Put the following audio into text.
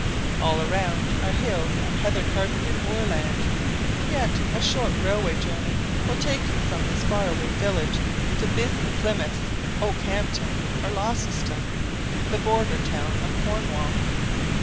All around are hills and heather carpeted moorland; yet a short railway journey will take you from this far away village to busy Plymouth, Okehampton, or Launceston, the border town of Cornwall.